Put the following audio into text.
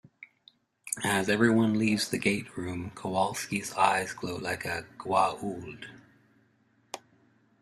As everyone leaves the gate room, Kawalsky's eyes glow like a Goa'uld.